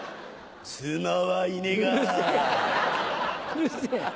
うるせぇ